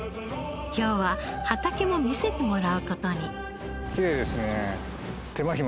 今日は畑も見せてもらう事に。